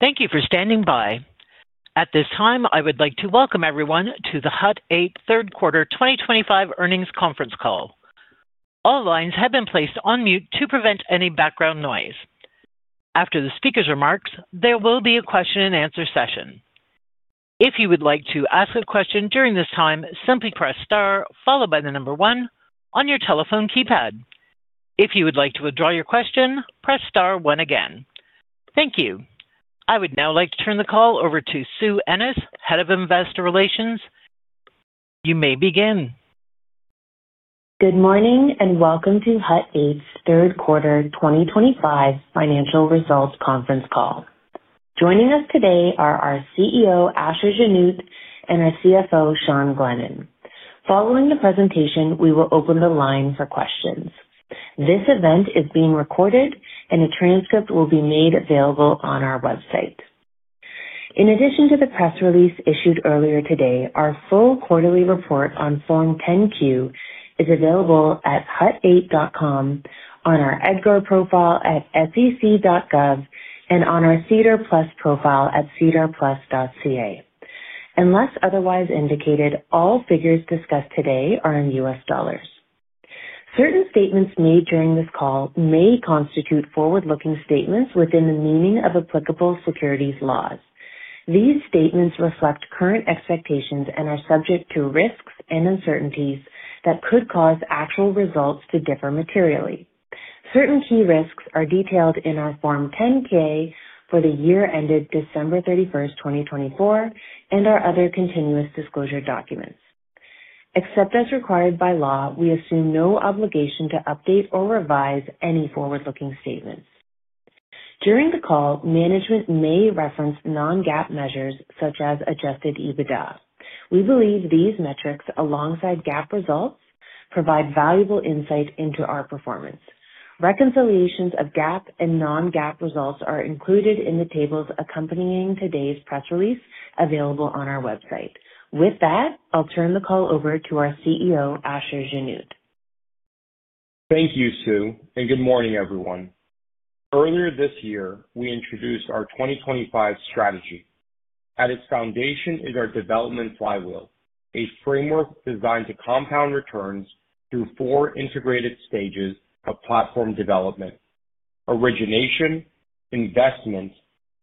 Thank you for standing by. At this time, I would like to welcome everyone to the Hut 8 Third Quarter 2025 Earnings Conference Call. All lines have been placed on mute to prevent any background noise. After the speaker's remarks, there will be a question-and-answer session. If you would like to ask a question during this time, simply press star followed by the number one on your telephone keypad. If you would like to withdraw your question, press star one again. Thank you. I would now like to turn the call over to Sue Ennis, Head of Investor Relations. You may begin. Good morning and welcome to Hut 8's Third Quarter 2025 Financial Results Conference Call. Joining us today are our CEO, Asher Genoot, and our CFO, Sean Glennan. Following the presentation, we will open the line for questions. This event is being recorded, and a transcript will be made available on our website. In addition to the press release issued earlier today, our full quarterly report on Form 10-Q is available at hut8.com, on our EDGAR profile at sec.gov, and on our SEDAR+ profile at sedarplus.ca. Unless otherwise indicated, all figures discussed today are in U.S. dollars. Certain statements made during this call may constitute forward-looking statements within the meaning of applicable securities laws. These statements reflect current expectations and are subject to risks and uncertainties that could cause actual results to differ materially. Certain key risks are detailed in our Form 10K for the year ended December 31st, 2024, and our other continuous disclosure documents. Except as required by law, we assume no obligation to update or revise any forward-looking statements. During the call, management may reference non-GAAP measures such as Adjusted EBITDA. We believe these metrics, alongside GAAP results, provide valuable insight into our performance. Reconciliations of GAAP and non-GAAP results are included in the tables accompanying today's press release available on our website. With that, I'll turn the call over to our CEO, Asher Genoot. Thank you, Sue, and good morning, everyone. Earlier this year, we introduced our 2025 strategy. At its foundation is our Development Flywheel, a framework designed to compound returns through four integrated stages of platform development: origination, investment,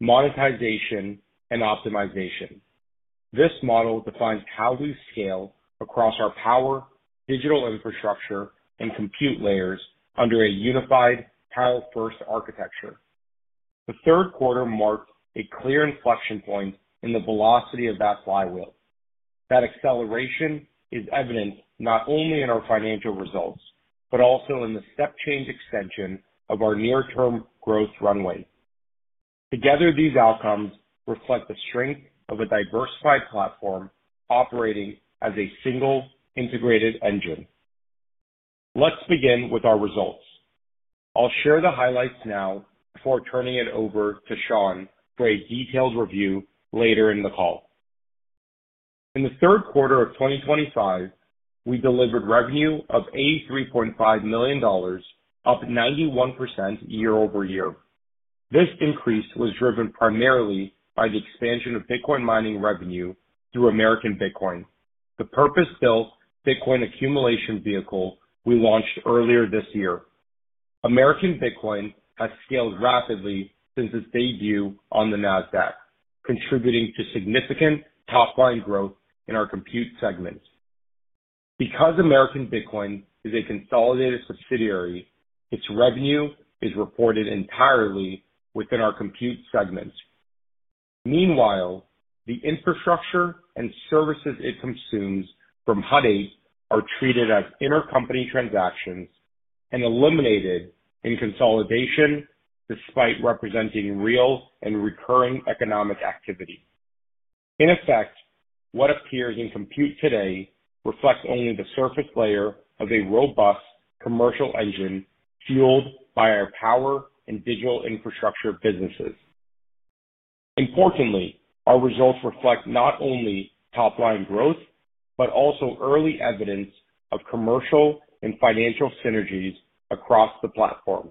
monetization, and optimization. This model defines how we scale across our power, digital infrastructure, and compute layers under a unified, power-first architecture. The third quarter marked a clear inflection point in the velocity of that flywheel. That acceleration is evident not only in our financial results but also in the step-change extension of our near-term growth runway. Together, these outcomes reflect the strength of a diversified platform operating as a single integrated engine. Let's begin with our results. I'll share the highlights now before turning it over to Sean for a detailed review later in the call. In the third quarter of 2025, we delivered revenue of $83.5 million, up 91% year-over-year. This increase was driven primarily by the expansion of Bitcoin Mining revenue through American Bitcoin, the purpose-built Bitcoin accumulation vehicle we launched earlier this year. American Bitcoin has scaled rapidly since its debut on the NASDAQ, contributing to significant top-line growth in our compute segment. Because American Bitcoin is a consolidated subsidiary, its revenue is reported entirely within our compute segment. Meanwhile, the infrastructure and services it consumes from Hut 8 are treated as intercompany transactions and eliminated in consolidation despite representing real and recurring economic activity. In effect, what appears in compute today reflects only the surface layer of a robust commercial engine fueled by our power and digital infrastructure businesses. Importantly, our results reflect not only top-line growth but also early evidence of commercial and financial synergies across the platform.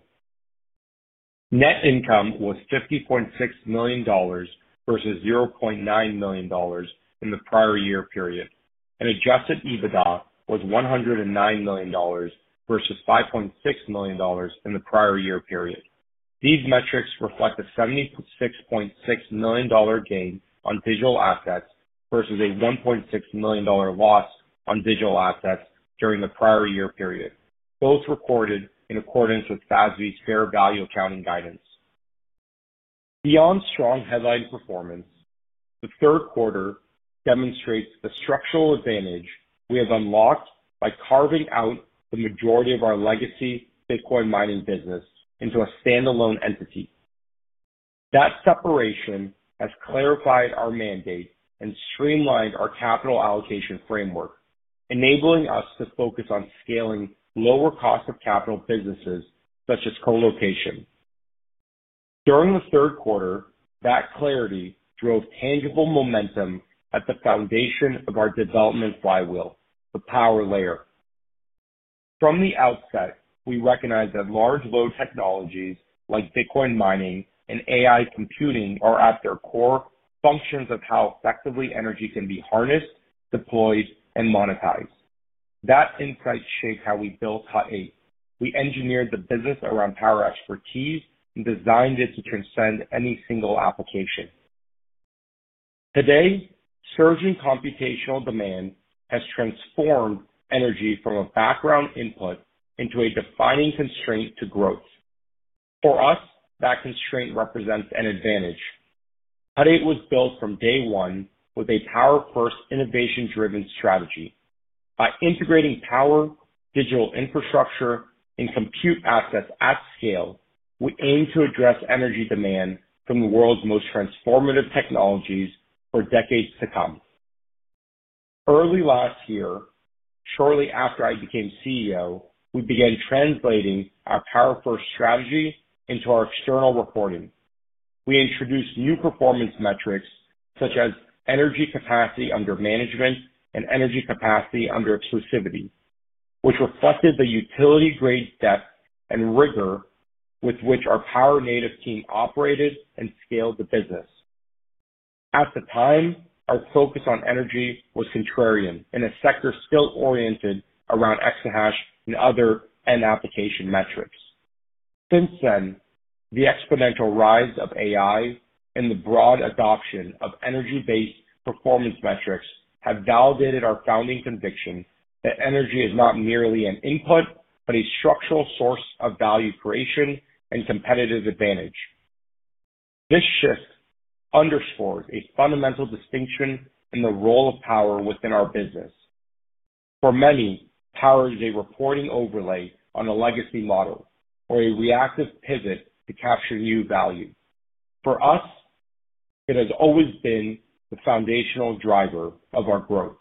Net income was $50.6 million versus $0.9 million in the prior year period, and Adjusted EBITDA was $109 million versus $5.6 million in the prior year period. These metrics reflect a $76.6 million gain on Digital Assets versus a $1.6 million loss on Digital Assets during the prior year period, both recorded in accordance with FASB's fair value accounting guidance. Beyond strong headline performance, the third quarter demonstrates the structural advantage we have unlocked by carving out the majority of our legacy Bitcoin Mining business into a standalone entity. That separation has clarified our mandate and streamlined our capital allocation framework, enabling us to focus on scaling lower-cost-of-capital businesses such as colocation. During the third quarter, that clarity drove tangible momentum at the foundation of our Development Flywheel, the power layer. From the outset, we recognize that large load technologies like Bitcoin Mining and AI computing are at their core, functions of how effectively energy can be harnessed, deployed, and monetized. That insight shaped how we built Hut 8. We engineered the business around power expertise and designed it to transcend any single application. Today, surging computational demand has transformed energy from a background input into a defining constraint to growth. For us, that constraint represents an advantage. Hut 8 was built from day one with a power-first innovation-driven strategy. By integrating power, digital infrastructure, and compute assets at scale, we aim to address energy demand from the world's most transformative technologies for decades to come. Early last year, shortly after I became CEO, we began translating our power-first strategy into our external reporting. We introduced new performance metrics such as energy capacity under management and energy capacity under exclusivity, which reflected the utility-grade depth and rigor with which our power-native team operated and scaled the business. At the time, our focus on energy was contrarian in a sector still oriented around exahash and other end-application metrics. Since then, the exponential rise of AI and the broad adoption of energy-based performance metrics have validated our founding conviction that energy is not merely an input but a structural source of value creation and competitive advantage. This shift underscores a fundamental distinction in the role of power within our business. For us, it has always been the foundational driver of our growth,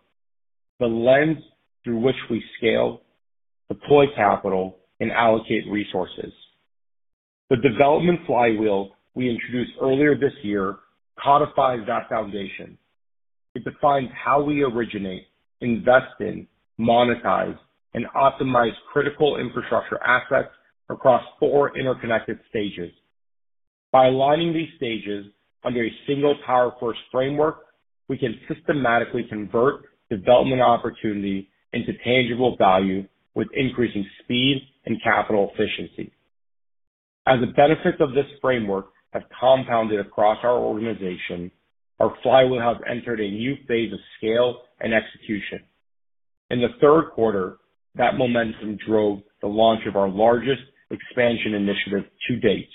the lens through which we scale, deploy capital, and allocate resources. The development flywheel we introduced earlier this year codifies that foundation. It defines how we originate, invest in, monetize, and optimize critical infrastructure assets across four interconnected stages. By aligning these stages under a single power-first framework, we can systematically convert development opportunity into tangible value with increasing speed and capital efficiency. As the benefits of this framework have compounded across our organization, our flywheel has entered a new phase of scale and execution. In the third quarter, that momentum drove the launch of our largest expansion initiative to date.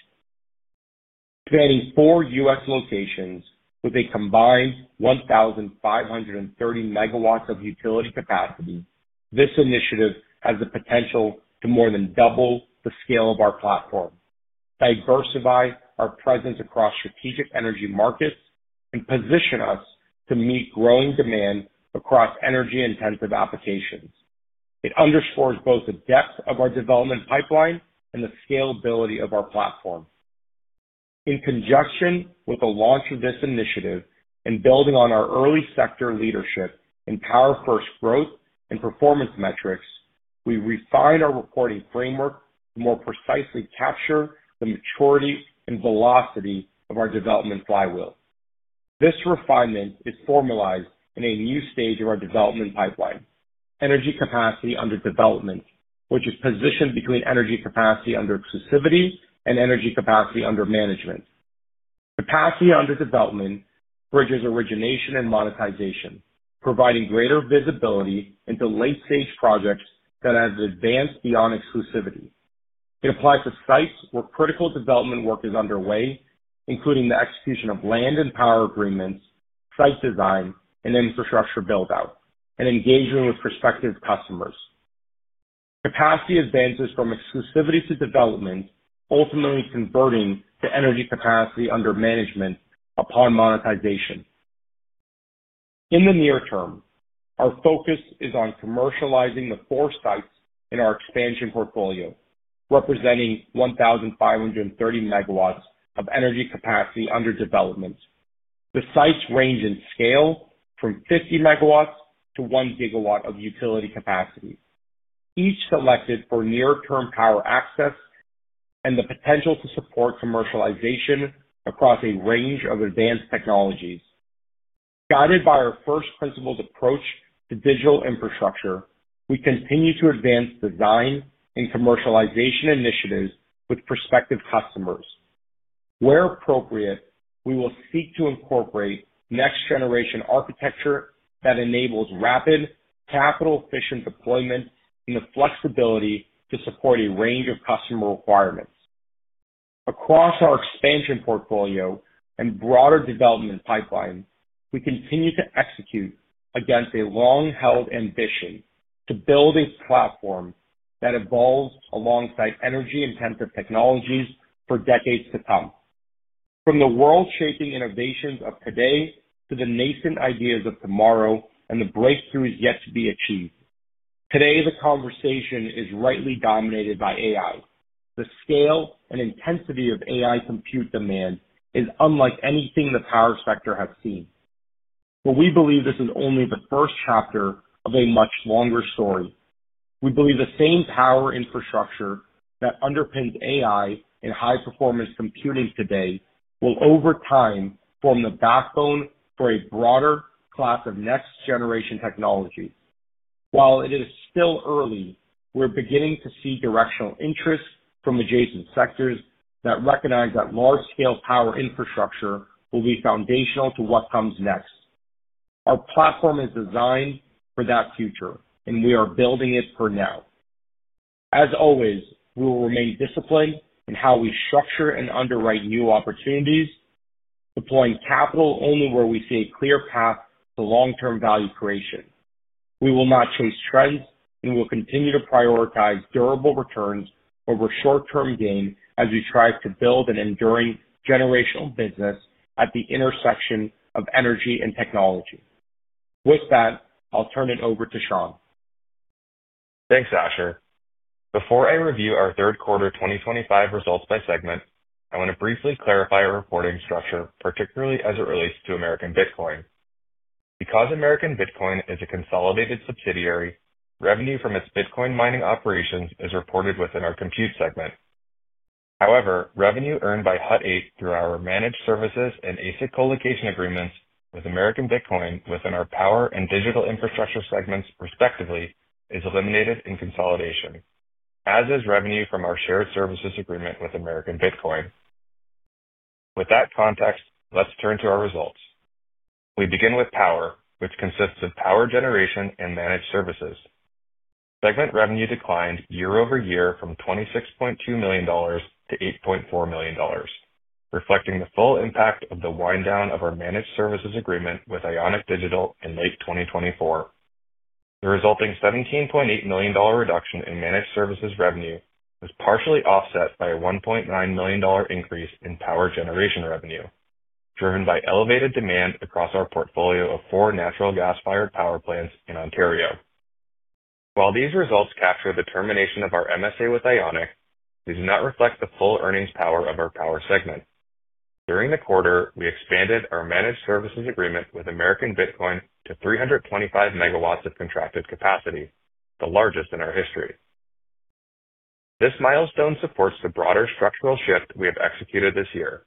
Spanning four U.S. locations with a combined 1,530 MW of utility capacity, this initiative has the potential to more than double the scale of our platform. Diversify our presence across strategic energy markets and position us to meet growing demand across energy-intensive applications. It underscores both the depth of our development pipeline and the scalability of our platform. In conjunction with the launch of this initiative and building on our early sector leadership in power-first growth and performance metrics, we refine our reporting framework to more precisely capture the maturity and velocity of our development flywheel. This refinement is formalized in a new stage of our development pipeline: energy capacity under development, which is positioned between energy capacity under exclusivity and energy capacity under management. Capacity under development bridges origination and monetization, providing greater visibility into late-stage projects that have advanced beyond exclusivity. It applies to sites where critical development work is underway, including the execution of land and power agreements, site design, and infrastructure build-out, and engagement with prospective customers. Capacity advances from exclusivity to development, ultimately converting to energy capacity under management upon monetization. In the near term, our focus is on commercializing the four sites in our expansion portfolio, representing 1,530 MW of energy capacity under development. The sites range in scale from 50 MW-1 GW of utility capacity, each selected for near-term power access and the potential to support commercialization across a range of advanced technologies. Guided by our first-principles approach to digital infrastructure, we continue to advance design and commercialization initiatives with prospective customers. Where appropriate, we will seek to incorporate next-generation architecture that enables rapid, capital-efficient deployment and the flexibility to support a range of customer requirements. Across our expansion portfolio and broader development pipeline, we continue to execute against a long-held ambition to build a platform that evolves alongside energy-intensive technologies for decades to come. From the world-shaping innovations of today to the nascent ideas of tomorrow and the breakthroughs yet to be achieved, today the conversation is rightly dominated by AI. The scale and intensity of AI compute demand is unlike anything the power sector has seen. But we believe this is only the first chapter of a much longer story. We believe the same power infrastructure that underpins AI and high-performance computing today will, over time, form the backbone for a broader class of next-generation technologies. While it is still early, we're beginning to see directional interest from adjacent sectors that recognize that large-scale power infrastructure will be foundational to what comes next. Our platform is designed for that future, and we are building it for now. As always, we will remain disciplined in how we structure and underwrite new opportunities, deploying capital only where we see a clear path to long-term value creation. We will not chase trends, and we'll continue to prioritize durable returns over short-term gain as we strive to build an enduring generational business at the intersection of energy and technology. With that, I'll turn it over to Sean. Thanks, Asher. Before I review our third quarter 2025 results by segment, I want to briefly clarify our reporting structure, particularly as it relates to American Bitcoin. Because American Bitcoin is a consolidated subsidiary, revenue from its Bitcoin mining operations is reported within our compute segment. However, revenue earned by Hut 8 through our managed services and ASIC colocation agreements with American Bitcoin within our power and digital infrastructure segments, respectively, is eliminated in consolidation, as is revenue from our shared services agreement with American Bitcoin. With that context, let's turn to our results. We begin with power, which consists of power generation and managed services. Our segment revenue declined year-over-year from $26.2 million-$8.4 million, reflecting the full impact of the wind-down of our managed services agreement with IONIQ Digital in late 2024. The resulting $17.8 million reduction in managed services revenue was partially offset by a $1.9 million increase in power generation revenue, driven by elevated demand across our portfolio of four natural gas-fired power plants in Ontario. While these results capture the termination of our MSA with IONIQ, they do not reflect the full earnings power of our power segment. During the quarter, we expanded our managed services agreement with American Bitcoin to 325 megawatts of contracted capacity, the largest in our history. This milestone supports the broader structural shift we have executed this year,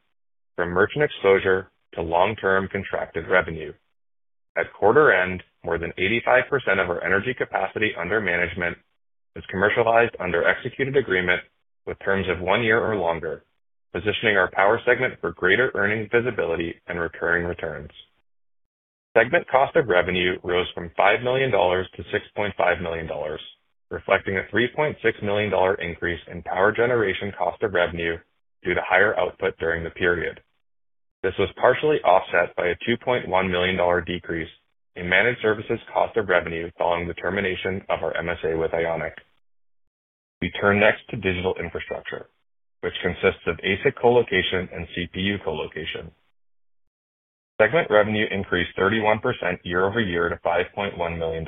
from merchant exposure to long-term contracted revenue. At quarter end, more than 85% of our energy capacity under management was commercialized under executed agreement with terms of one year or longer, positioning our power segment for greater earnings visibility and recurring returns. Segment cost of revenue rose from $5 million-$6.5 million, reflecting a $3.6 million increase in power generation cost of revenue due to higher output during the period. This was partially offset by a $2.1 million decrease in managed services cost of revenue following the termination of our MSA with IONIQ. We turn next to digital infrastructure, which consists of ASIC colocation and CPU colocation. Segment revenue increased 31% year-over-year to $5.1 million,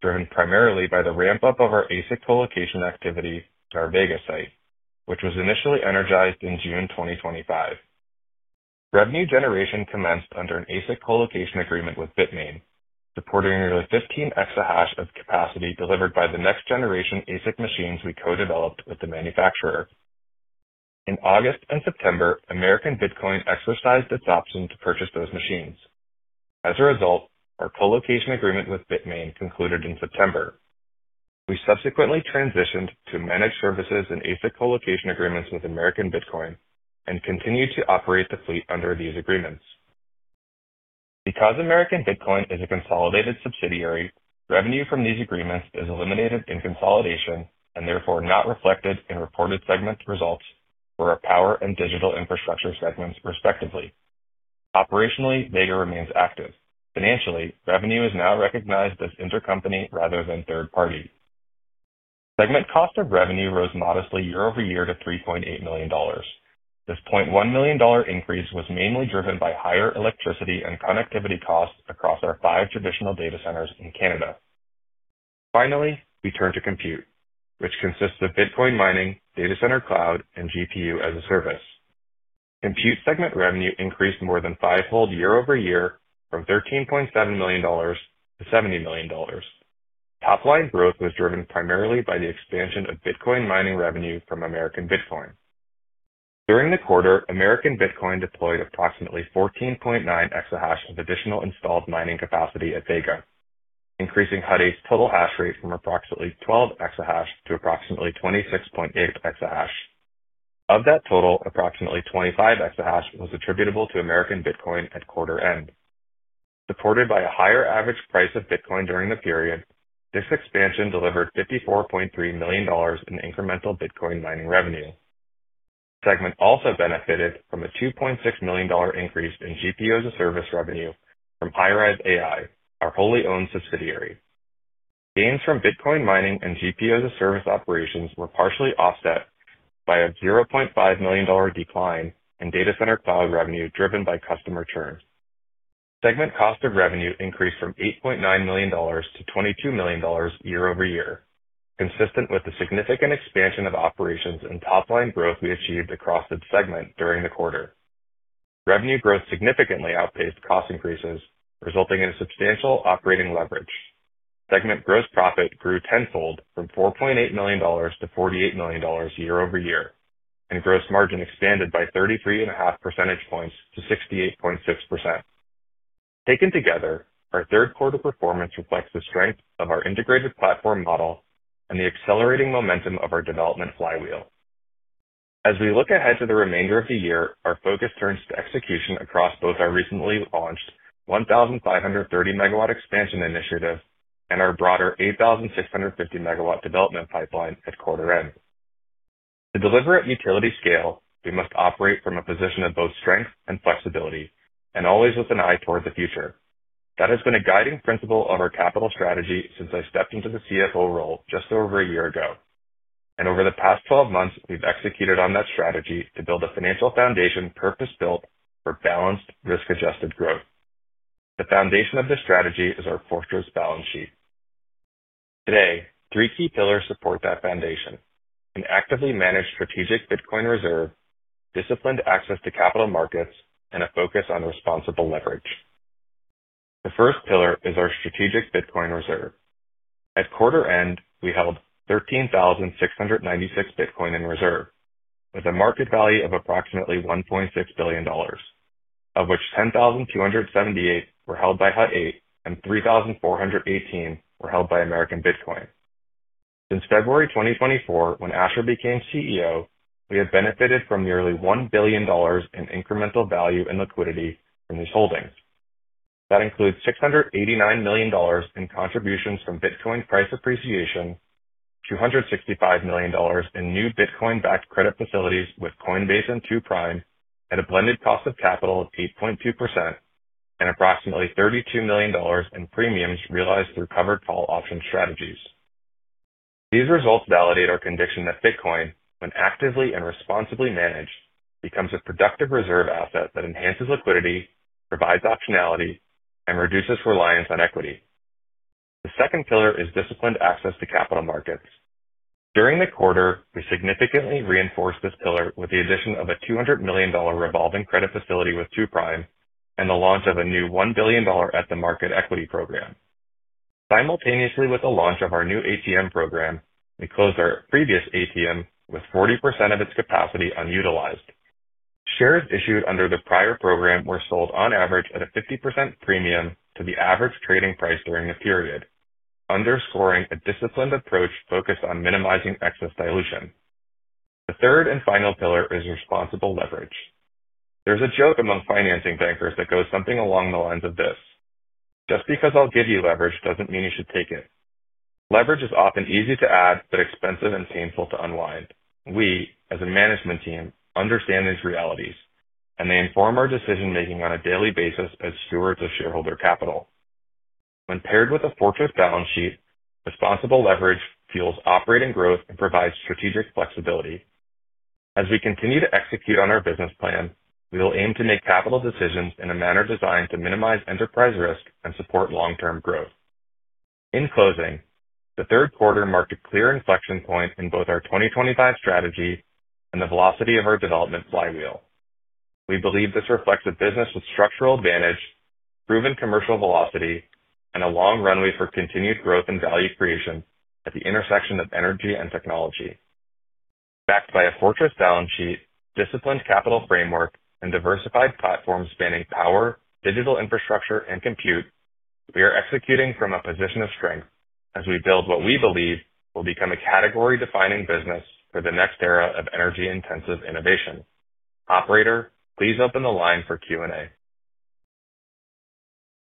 driven primarily by the ramp-up of our ASIC colocation activity to our Vega site, which was initially energized in June 2025. Revenue generation commenced under an ASIC colocation agreement with Bitmain, supporting nearly 15 exahash of capacity delivered by the next-generation ASIC machines we co-developed with the manufacturer. In August and September, American Bitcoin exercised its option to purchase those machines. As a result, our colocation agreement with Bitmain concluded in September. We subsequently transitioned to managed services and ASIC colocation agreements with American Bitcoin and continued to operate the fleet under these agreements. Because American Bitcoin is a consolidated subsidiary, revenue from these agreements is eliminated in consolidation and therefore not reflected in reported segment results for our power and digital infrastructure segments, respectively. Operationally, Vega remains active. Financially, revenue is now recognized as intercompany rather than third-party. Segment cost of revenue rose modestly year-over-year to $3.8 million. This $0.1 million increase was mainly driven by higher electricity and connectivity costs across our five traditional data centers in Canada. Finally, we turn to compute, which consists of Bitcoin mining, data center cloud, and GPU as a service. Compute segment revenue increased more than fivefold year-over-year from $13.7 million-$70 million. Top-line growth was driven primarily by the expansion of Bitcoin mining revenue from American Bitcoin. During the quarter, American Bitcoin deployed approximately 14.9 exahash of additional installed mining capacity at Vega, increasing Hut 8's total hash rate from approximately 12 exahash to approximately 26.8 exahash. Of that total, approximately 25 exahash was attributable to American Bitcoin at quarter end. Supported by a higher average price of Bitcoin during the period, this expansion delivered $54.3 million in incremental Bitcoin mining revenue. This segment also benefited from a $2.6 million increase in GPU as a service revenue from HiRise AI, our wholly-owned subsidiary. Gains from Bitcoin mining and GPU as a service operations were partially offset by a $0.5 million decline in data center cloud revenue driven by customer churn. Segment cost of revenue increased from $8.9 million-$22 million year-over-year, consistent with the significant expansion of operations and top-line growth we achieved across the segment during the quarter. Revenue growth significantly outpaced cost increases, resulting in substantial operating leverage. Segment gross profit grew tenfold from $4.8 million-$48 million year-over-year, and gross margin expanded by 33.5 percentage points to 68.6%. Taken together, our third-quarter performance reflects the strength of our integrated platform model and the accelerating momentum of our development flywheel. As we look ahead to the remainder of the year, our focus turns to execution across both our recently launched 1,530 MW expansion initiative and our broader 8,650 MW development pipeline at quarter end. To deliver at utility scale, we must operate from a position of both strength and flexibility, and always with an eye toward the future. That has been a guiding principle of our capital strategy since I stepped into the CFO role just over a year ago. And over the past 12 months, we've executed on that strategy to build a financial foundation purpose-built for balanced, risk-adjusted growth. The foundation of this strategy is our fortress balance sheet. Today, three key pillars support that foundation: an actively managed strategic Bitcoin reserve, disciplined access to capital markets, and a focus on responsible leverage. The first pillar is our strategic Bitcoin reserve. At quarter end, we held 13,696 Bitcoin in reserve, with a market value of approximately $1.6 billion, of which 10,278 were held by Hut 8 and 3,418 were held by American Bitcoin. Since February 2024, when Asher became CEO, we have benefited from nearly $1 billion in incremental value and liquidity from these holdings. That includes $689 million in contributions from Bitcoin price appreciation, $265 million in new Bitcoin-backed credit facilities with Coinbase and 2Prime, and a blended cost of capital of 8.2%, and approximately $32 million in premiums realized through covered call option strategies. These results validate our conviction that Bitcoin, when actively and responsibly managed, becomes a productive reserve asset that enhances liquidity, provides optionality, and reduces reliance on equity. The second pillar is disciplined access to capital markets. During the quarter, we significantly reinforced this pillar with the addition of a $200 million revolving credit facility with Two Prime and the launch of a new $1 billion at-the-market equity program. Simultaneously with the launch of our new ATM program, we closed our previous ATM with 40% of its capacity unutilized. Shares issued under the prior program were sold on average at a 50% premium to the average trading price during the period, underscoring a disciplined approach focused on minimizing excess dilution. The third and final pillar is responsible leverage. There's a joke among financing bankers that goes something along the lines of this: "Just because I'll give you leverage doesn't mean you should take it." Leverage is often easy to add but expensive and painful to unwind. We, as a management team, understand these realities, and they inform our decision-making on a daily basis as stewards of shareholder capital. When paired with a fortress balance sheet, responsible leverage fuels operating growth and provides strategic flexibility. As we continue to execute on our business plan, we will aim to make capital decisions in a manner designed to minimize enterprise risk and support long-term growth. In closing, the third quarter marked a clear inflection point in both our 2025 strategy and the velocity of our development flywheel. We believe this reflects a business with structural advantage, proven commercial velocity, and a long runway for continued growth and value creation at the intersection of energy and technology. Backed by a fortress balance sheet, disciplined capital framework, and diversified platform spanning power, digital infrastructure, and compute, we are executing from a position of strength as we build what we believe will become a category-defining business for the next era of energy-intensive innovation. Operator, please open the line for Q&A.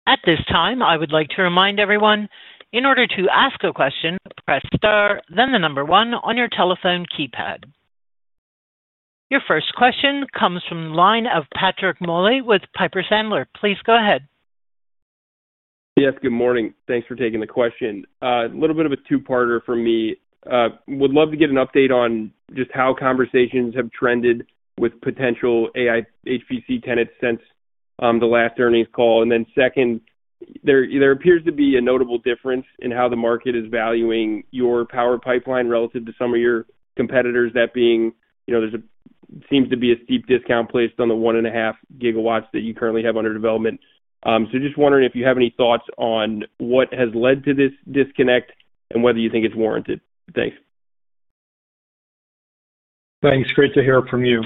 At this time, I would like to remind everyone, in order to ask a question, press star, then the number one on your telephone keypad. Your first question comes from the line of Patrick Moley with Piper Sandler. Please go ahead. Yes, good morning. Thanks for taking the question. A little bit of a two-parter for me. Would love to get an update on just how conversations have trended with potential AI HPC tenants since the last earnings call. And then second. There appears to be a notable difference in how the market is valuing your power pipeline relative to some of your competitors, that being there seems to be a steep discount placed on the 1.5 GW that you currently have under development. So just wondering if you have any thoughts on what has led to this disconnect and whether you think it's warranted. Thanks. Thanks. Great to hear it from you.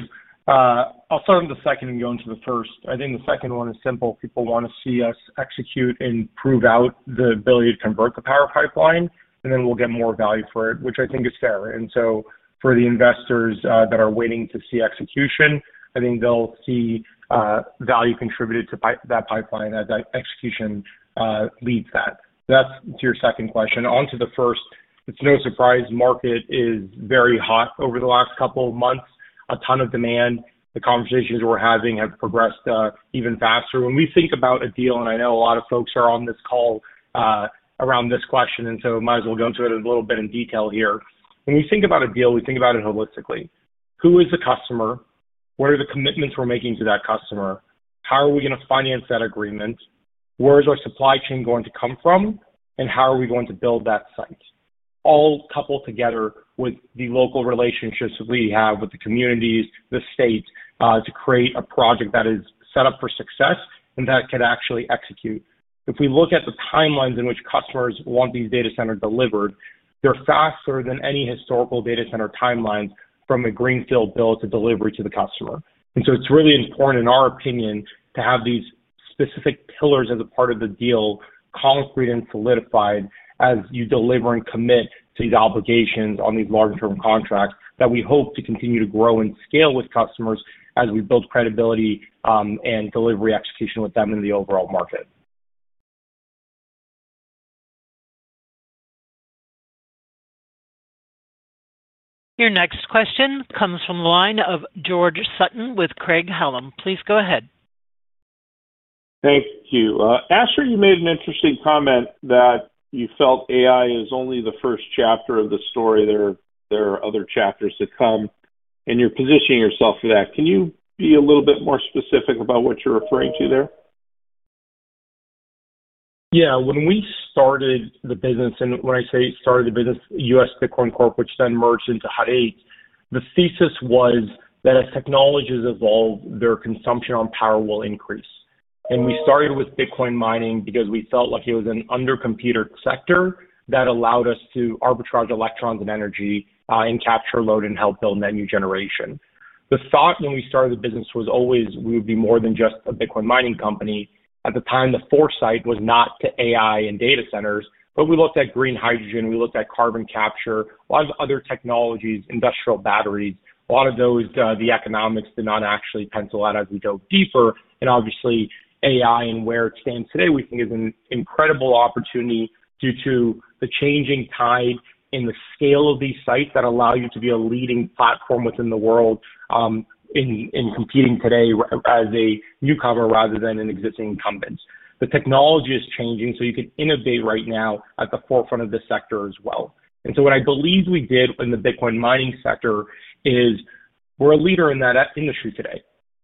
I'll start on the second and go into the first. I think the second one is simple. People want to see us execute and prove out the ability to convert the power pipeline, and then we'll get more value for it, which I think is fair. And so for the investors that are waiting to see execution, I think they'll see value contributed to that pipeline as that execution leads that. That's to your second question. Onto the first, it's no surprise the market is very hot over the last couple of months. A ton of demand. The conversations we're having have progressed even faster. When we think about a deal, and I know a lot of folks are on this call. Around this question, and so I might as well go into it a little bit in detail here. When we think about a deal, we think about it holistically. Who is the customer? What are the commitments we're making to that customer? How are we going to finance that agreement? Where is our supply chain going to come from, and how are we going to build that site? All coupled together with the local relationships we have with the communities, the state, to create a project that is set up for success and that can actually execute. If we look at the timelines in which customers want these data centers delivered, they're faster than any historical data center timelines from a greenfield build to delivery to the customer. And so it's really important, in our opinion, to have these specific pillars as a part of the deal concrete and solidified as you deliver and commit to these obligations on these long-term contracts that we hope to continue to grow and scale with customers as we build credibility and delivery execution with them in the overall market. Your next question comes from the line of George Sutton with Craig-Hallum. Please go ahead. Thank you. Asher, you made an interesting comment that you felt AI is only the first chapter of the story. There are other chapters to come, and you're positioning yourself for that. Can you be a little bit more specific about what you're referring to there? Yeah. When we started the business, and when I say started the business, US Bitcoin Corp, which then merged into Hut 8, the thesis was that as technologies evolve, their consumption on power will increase. And we started with Bitcoin mining because we felt like it was an under-computed sector that allowed us to arbitrage electrons and energy and capture load and help build net new generation. The thought when we started the business was always we would be more than just a Bitcoin mining company. At the time, the foresight was not to AI and data centers, but we looked at green hydrogen. We looked at carbon capture, a lot of other technologies, industrial batteries. A lot of those, the economics did not actually pencil out as we dove deeper. And obviously, AI and where it stands today, we think, is an incredible opportunity due to the changing tide in the scale of these sites that allow you to be a leading platform within the world. In competing today as a newcomer rather than an existing incumbent. The technology is changing, so you can innovate right now at the forefront of the sector as well. And so what I believe we did in the Bitcoin mining sector is we're a leader in that industry today.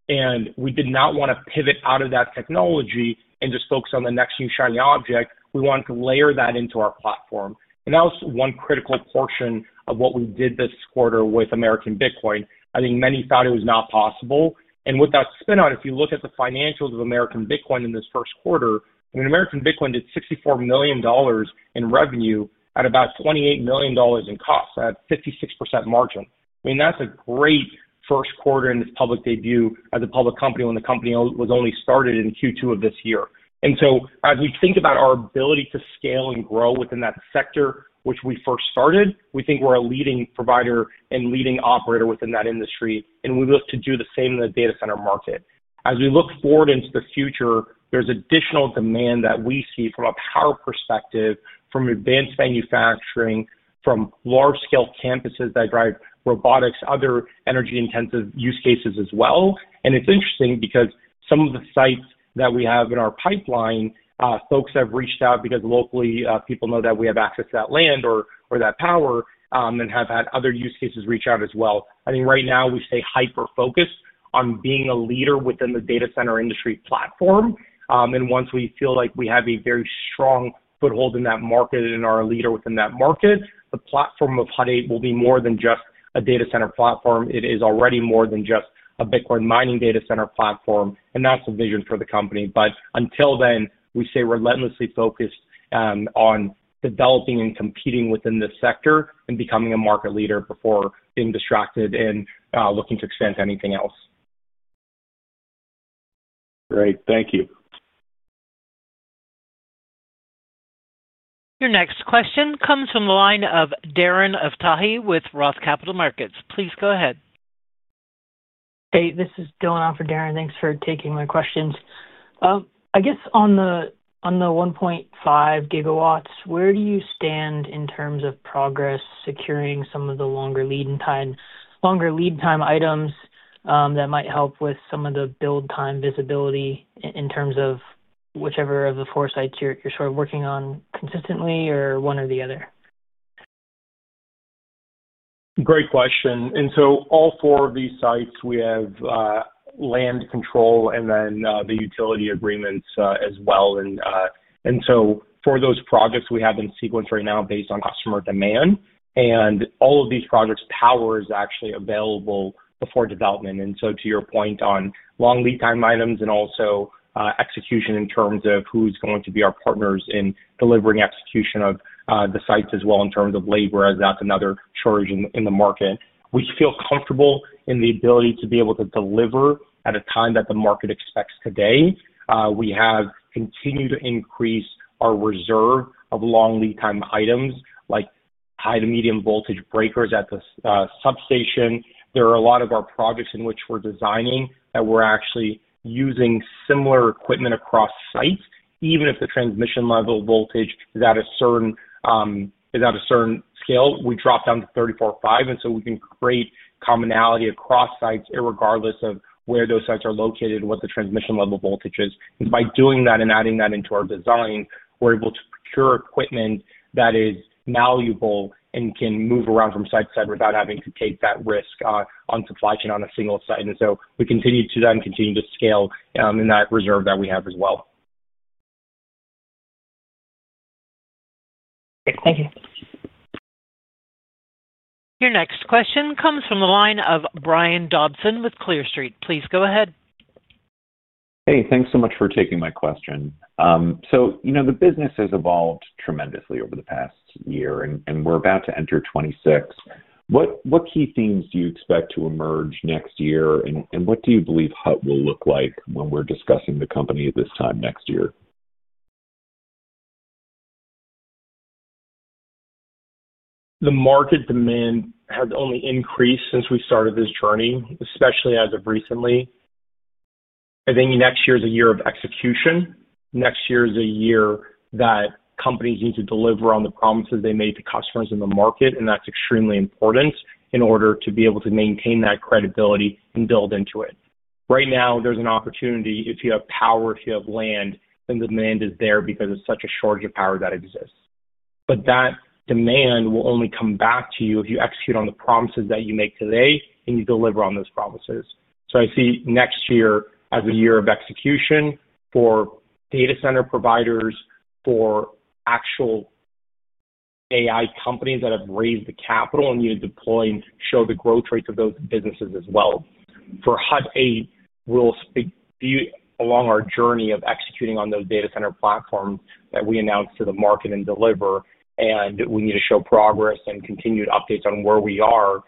And we did not want to pivot out of that technology and just focus on the next new shiny object. We wanted to layer that into our platform. And that was one critical portion of what we did this quarter with American Bitcoin. I think many thought it was not possible. And with that spin-off, if you look at the financials of American Bitcoin in this first quarter, I mean, American Bitcoin did $64 million in revenue at about $28 million in cost, at a 56% margin. I mean, that's a great first quarter in its public debut as a public company when the company was only started in Q2 of this year. And so as we think about our ability to scale and grow within that sector, which we first started, we think we're a leading provider and leading operator within that industry, and we look to do the same in the data center market. As we look forward into the future, there's additional demand that we see from a power perspective, from advanced manufacturing, from large-scale campuses that drive robotics, other energy-intensive use cases as well. And it's interesting because some of the sites that we have in our pipeline, folks have reached out because locally people know that we have access to that land or that power and have had other use cases reach out as well. I think right now we stay hyper-focused on being a leader within the data center industry platform. And once we feel like we have a very strong foothold in that market and are a leader within that market, the platform of Hut 8 will be more than just a data center platform. It is already more than just a Bitcoin mining data center platform, and that's the vision for the company. But until then, we stay relentlessly focused on developing and competing within this sector and becoming a market leader before being distracted and looking to expand to anything else. Great. Thank you. Your next question comes from the line of Darren Aftahi with ROTH Capital Partners. Please go ahead. Hey, this is Dillon on for Darren. Thanks for taking my questions. I guess on the 1.5 GW, where do you stand in terms of progress securing some of the longer lead time items that might help with some of the build time visibility in terms of whichever of the four sites you're sort of working on consistently or one or the other? Great question, and so all four of these sites, we have land control and then the utility agreements as well. And so for those projects, we have in sequence right now based on customer demand, and all of these projects, power is actually available before development. And so to your point on long lead time items and also execution in terms of who's going to be our partners in delivering execution of the sites as well in terms of labor, as that's another shortage in the market, we feel comfortable in the ability to be able to deliver at a time that the market expects today. We have continued to increase our reserve of long lead time items like high- to medium-voltage breakers at the substation. There are a lot of our projects in which we're designing that we're actually using similar equipment across sites. Even if the transmission level voltage is at a certain scale, we drop down to 34.5, and so we can create commonality across sites regardless of where those sites are located, what the transmission level voltage is. And by doing that and adding that into our design, we're able to procure equipment that is malleable and can move around from site to site without having to take that risk on supply chain on a single site, and so we continue to then continue to scale in that reserve that we have as well. Thank you. Your next question comes from the line of Brian Dobson with Clear Street. Please go ahead. Hey, thanks so much for taking my question. So the business has evolved tremendously over the past year, and we're about to enter 2026. What key themes do you expect to emerge next year, and what do you believe Hut will look like when we're discussing the company at this time next year? The market demand has only increased since we started this journey, especially as of recently. I think next year is a year of execution. Next year is a year that companies need to deliver on the promises they made to customers in the market, and that's extremely important in order to be able to maintain that credibility and build into it. Right now, there's an opportunity. If you have power, if you have land, then the demand is there because it's such a shortage of power that exists. But that demand will only come back to you if you execute on the promises that you make today and you deliver on those promises. So I see next year as a year of execution for data center providers, for actual AI companies that have raised the capital and need to deploy and show the growth rates of those businesses as well. For Hut 8, we'll be along our journey of executing on those data center platforms that we announced to the market and deliver, and we need to show progress and continued updates on where we are,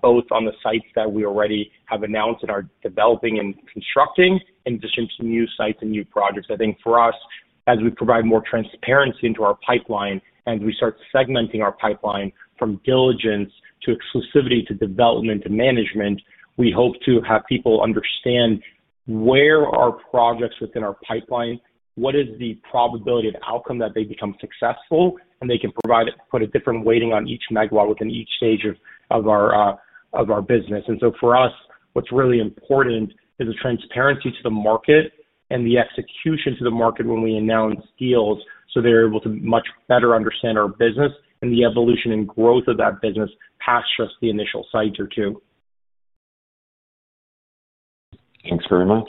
both on the sites that we already have announced and are developing and constructing in addition to new sites and new projects. I think for us, as we provide more transparency into our pipeline and we start segmenting our pipeline from diligence to exclusivity to development to management, we hope to have people understand where projects within our pipeline are. What is the probability of outcome that they become successful and they can provide a different weighting on each megawatt within each stage of our business? And so for us, what's really important is the transparency to the market and the execution to the market when we announce deals so they're able to much better understand our business and the evolution and growth of that business past just the initial site or two. Thanks very much.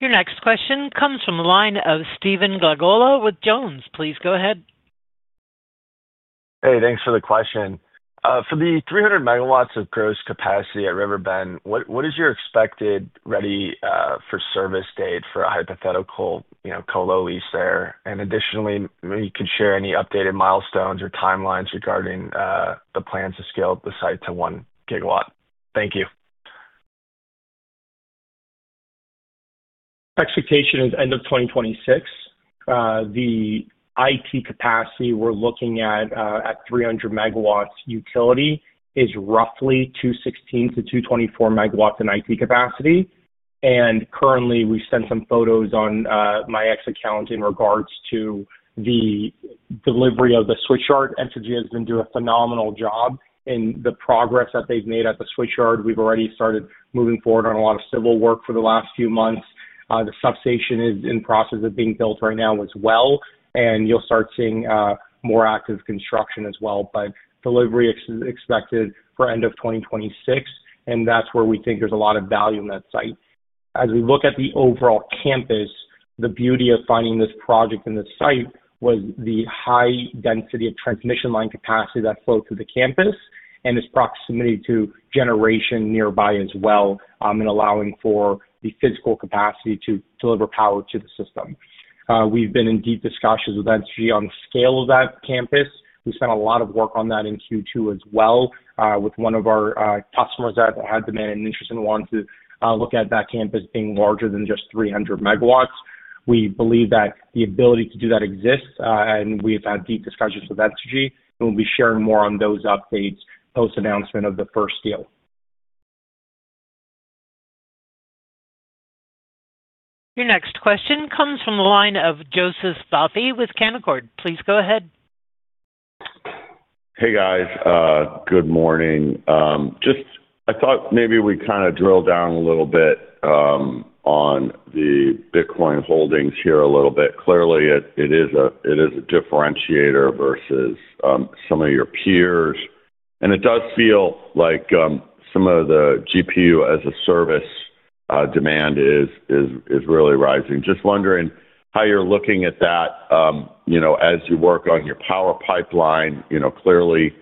Your next question comes from the line of Stephen Glagola with JonesTrading. Please go ahead. Hey, thanks for the question. For the 300 MW of gross capacity at River Bend, what is your expected ready-for-service date for a hypothetical colo lease there? And additionally, you could share any updated milestones or timelines regarding the plans to scale the site to one gigawatt. Thank you. Expectation is end of 2026. The IT capacity we're looking at at 300 MW utility is roughly 216 MW-224 MW in IT capacity, and currently we sent some photos on my X account in regards to the delivery of the switch yard. Energy has been doing a phenomenal job in the progress that they've made at the switch yard. We've already started moving forward on a lot of civil work for the last few months. The substation is in the process of being built right now as well, and you'll start seeing more active construction as well, but delivery is expected for end of 2026, and that's where we think there's a lot of value in that site. As we look at the overall campus, the beauty of finding this project in this site was the high density of transmission line capacity that flowed through the campus and its proximity to generation nearby as well and allowing for the physical capacity to deliver power to the system. We've been in deep discussions with Energy on the scale of that campus. We spent a lot of work on that in Q2 as well with one of our customers that had demand and interest and wanted to look at that campus being larger than just 300 MW. We believe that the ability to do that exists, and we've had deep discussions with Energy. We'll be sharing more on those updates post-announcement of the first deal. Your next question comes from the line of Joseph Vafi with Canaccord. Please go ahead. Hey, guys. Good morning. Just, I thought maybe we kind of drill down a little bit on the Bitcoin holdings here a little bit. Clearly, it is a differentiator versus some of your peers. And it does feel like some of the GPU as a service demand is really rising. Just wondering how you're looking at that as you work on your power pipeline. Clearly,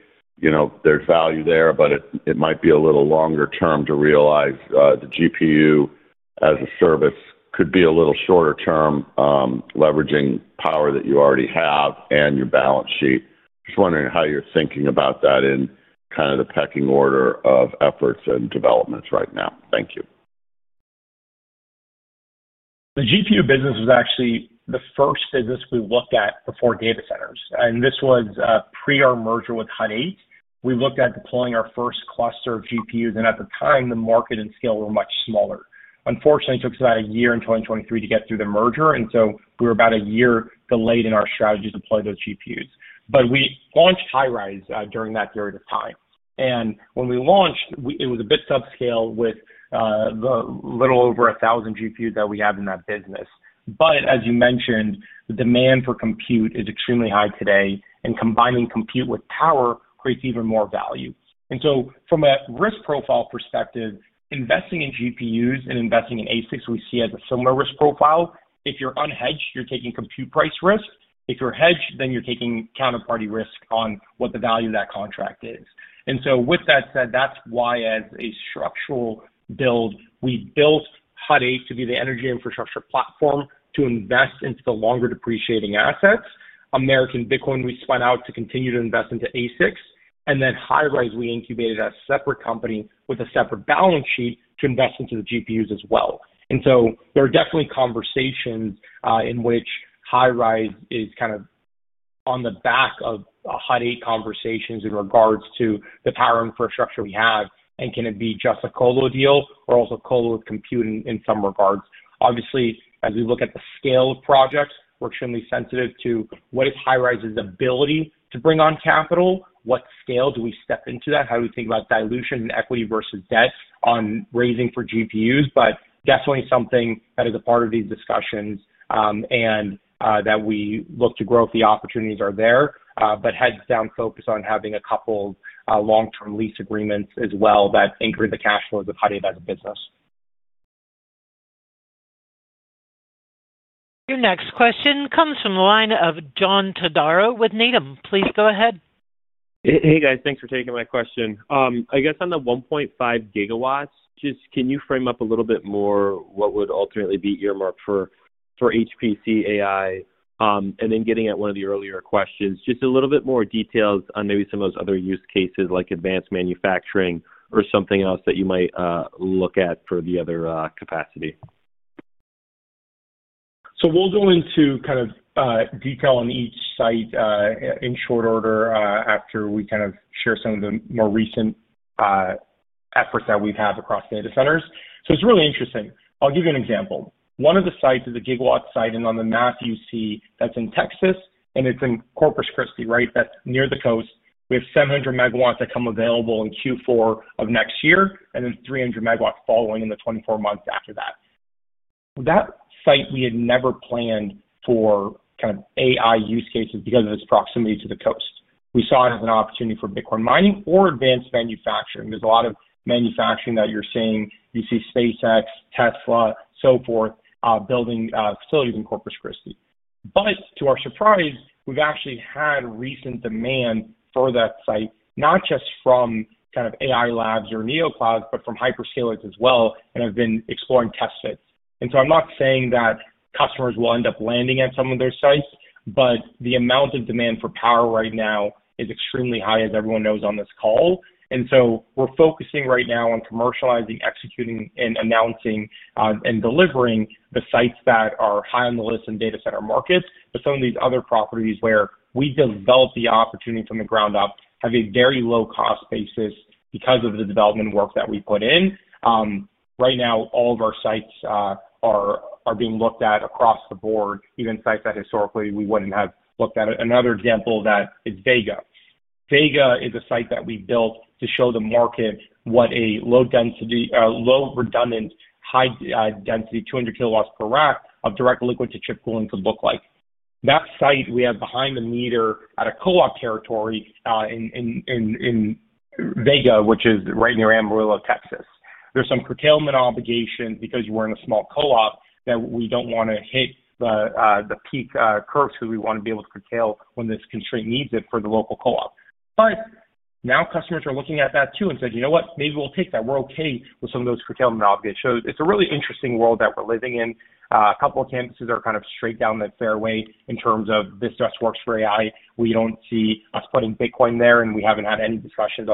there's value there, but it might be a little longer term to realize the GPU as a service could be a little shorter term leveraging power that you already have and your balance sheet. Just wondering how you're thinking about that in kind of the pecking order of efforts and developments right now. Thank you. The GPU business was actually the first business we looked at before data centers. This was pre our merger with Hut 8. We looked at deploying our first cluster of GPUs, and at the time, the market and scale were much smaller. Unfortunately, it took us about a year in 2023 to get through the merger, and so we were about a year delayed in our strategy to deploy those GPUs. We launched Hirise during that period of time. When we launched, it was a bit subscale with a little over 1,000 GPUs that we have in that business. As you mentioned, the demand for compute is extremely high today, and combining compute with power creates even more value. From a risk profile perspective, investing in GPUs and investing in ASICs, we see as a similar risk profile. If you're unhedged, you're taking compute price risk. If you're hedged, then you're taking counterparty risk on what the value of that contract is. With that said, that's why as a structural build, we built Hut 8 to be the energy infrastructure platform to invest into the longer depreciating assets. American Bitcoin, we spun out to continue to invest into ASICs. Hirise, we incubated a separate company with a separate balance sheet to invest into the GPUs as well. There are definitely conversations in which Hirise is kind of on the back of Hut 8 conversations in regards to the power infrastructure we have. Can it be just a colo deal or also colo with compute in some regards? Obviously, as we look at the scale of projects, we're extremely sensitive to what is Hirise's ability to bring on capital, what scale do we step into that, how do we think about dilution and equity versus debt on raising for GPUs, but definitely something that is a part of these discussions and that we look to grow if the opportunities are there, but heads down focus on having a couple of long-term lease agreements as well that anchor the cash flows of Hut 8 as a business. Your next question comes from the line of John Todaro with Needham. Please go ahead. Hey, guys. Thanks for taking my question. I guess on the 1.5 GW, just can you frame up a little bit more what would ultimately be earmarked for HPC AI? And then getting at one of the earlier questions, just a little bit more details on maybe some of those other use cases like advanced manufacturing or something else that you might look at for the other capacity. We'll go into kind of detail on each site in short order after we kind of share some of the more recent efforts that we've had across data centers. So it's really interesting. I'll give you an example. One of the sites is a gigawatt site, and on the map you see that's in Texas, and it's in Corpus Christi, right? That's near the coast. We have 700 MW that come available in Q4 of next year and then 300 MW following in the 24 months after that. That site we had never planned for kind of AI use cases because of its proximity to the coast. We saw it as an opportunity for Bitcoin mining or advanced manufacturing. There's a lot of manufacturing that you're seeing. You see SpaceX, Tesla, so forth, building facilities in Corpus Christi. But to our surprise, we've actually had recent demand for that site, not just from kind of AI labs or NeoClouds, but from hyperscalers as well, and have been exploring test sites. And so I'm not saying that customers will end up landing at some of their sites, but the amount of demand for power right now is extremely high, as everyone knows on this call. And so we're focusing right now on commercializing, executing, and announcing and delivering the sites that are high on the list in data center markets, but some of these other properties where we develop the opportunity from the ground up have a very low cost basis because of the development work that we put in. Right now, all of our sites are being looked at across the board, even sites that historically we wouldn't have looked at. Another example of that is Vega. Vega is a site that we built to show the market what a low-redundant, high-density, 200 kW per rack of direct liquid-to-chip cooling could look like. That site we have behind the meter at a co-op territory in Vega, which is right near Amarillo, Texas. There's some curtailment obligations because we're in a small co-op that we don't want to hit the peak curve, so we want to be able to curtail when this constraint needs it for the local co-op. But now customers are looking at that too and said, "You know what? Maybe we'll take that. We're okay with some of those curtailment obligations." So it's a really interesting world that we're living in. A couple of campuses are kind of straight down the fairway in terms of this just works for AI. We don't see us putting Bitcoin there, and we haven't had any discussions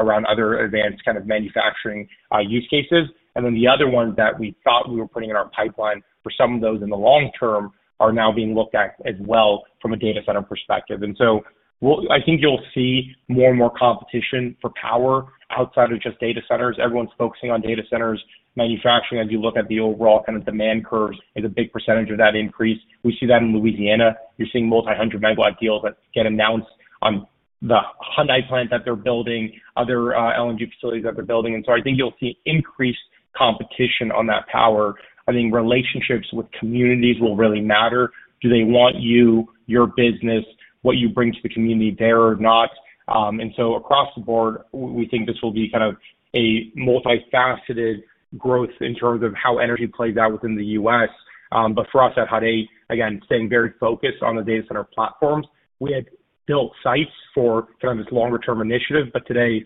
around other advanced kind of manufacturing use cases. And then the other ones that we thought we were putting in our pipeline for some of those in the long term are now being looked at as well from a data center perspective. And so I think you'll see more and more competition for power outside of just data centers. Everyone's focusing on data centers manufacturing. As you look at the overall kind of demand curve, there's a big percentage of that increase. We see that in Louisiana. You're seeing multi-hundred megawatt deals that get announced on the Hyundai plant that they're building, other LNG facilities that they're building. And so I think you'll see increased competition on that power. I think relationships with communities will really matter. Do they want you, your business, what you bring to the community there or not? And so across the board, we think this will be kind of a multifaceted growth in terms of how energy plays out within the U.S. But for us at Hut 8, again, staying very focused on the data center platforms, we had built sites for kind of this longer-term initiative, but today